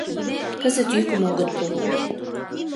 Кызыт йӱкым огыт пу.